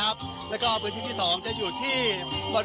มันอาจจะเป็นแก๊สธรรมชาติค่ะ